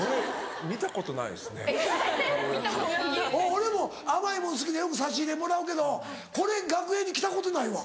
俺も甘いもの好きでよく差し入れもらうけどこれ楽屋に来たことないわ。